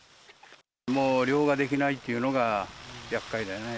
もう漁ができないっていうのが、やっかいだよね。